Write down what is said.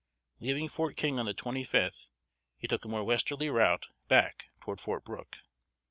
Leaving Fort King on the twenty fifth, he took a more westerly route back toward Fort Brooke.